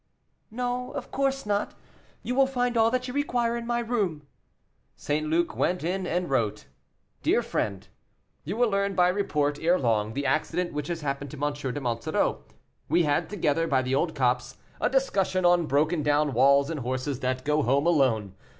"No, of course not; you will find all that you require in my room." St. Luc went in, and wrote, "DEAR FRIEND, "You will learn, by report, ere long, the accident which has happened to M. de Monsoreau; we had together, by the old copse, a discussion on broken down walls and horses that go home alone.